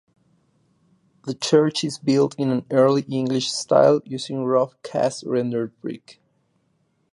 The church is built in an Early English style using roughcast rendered brick.